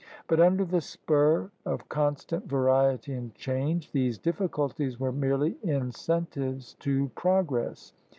But under the spur of constant variety and change, these dijQSculties were merely incentives to progress.